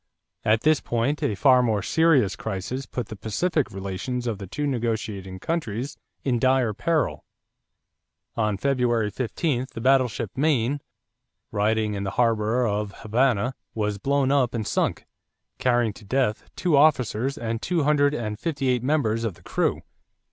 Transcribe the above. At this point a far more serious crisis put the pacific relations of the two negotiating countries in dire peril. On February 15, the battleship Maine, riding in the harbor of Havana, was blown up and sunk, carrying to death two officers and two hundred and fifty eight members of the crew.